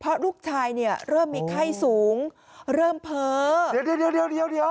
เพราะลูกชายเริ่มมีไข้สูงเริ่มเพลิง